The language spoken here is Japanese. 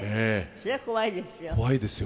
そりゃ怖いですよ。